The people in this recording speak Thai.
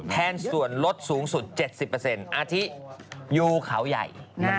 แทนส่วนรถสูงสุด๗๐เปอร์เซ็นต์อาทิยูเขาใหญ่